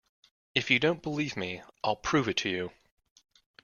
If you don't believe me, I'll prove it to you!